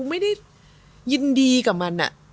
ไม่ได้ยินดีกับมัน